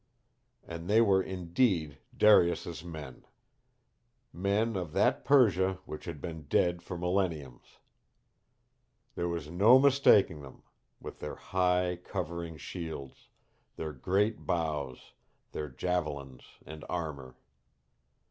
"And they were indeed Darius's men. Men of that Persia which had been dead for millenniums. There was no mistaking them, with their high, covering shields, their great bows, their javelins and armor.